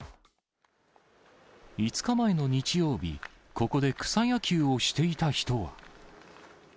５日前の日曜日、ここで草野球をしていた人は。